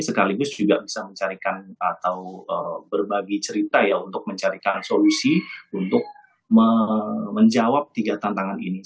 sekaligus juga bisa mencarikan atau berbagi cerita ya untuk mencarikan solusi untuk menjawab tiga tantangan ini